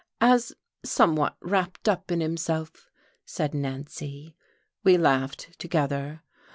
"As somewhat wrapped up in himself," said Nancy. We laughed together.